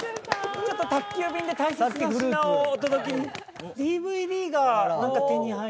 ちょっと宅急便で大切な品をお届けに。